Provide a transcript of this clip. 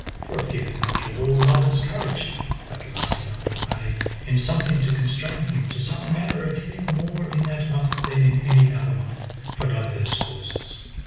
For it giveth unto all lovers courage, that lusty month of May, in something to constrain him to some manner of thing more in that month than in any other month, for divers causes.